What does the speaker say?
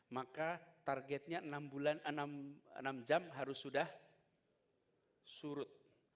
maka targetnya enam jam harus sudah surut